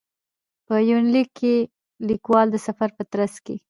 په یونلیک کې لیکوال د سفر په ترڅ کې.